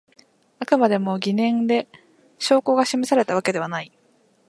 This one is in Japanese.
あくまでも疑念で証拠が示されたわけではない